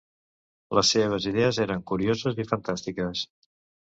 Les seves idees eren curioses i fantàstiques.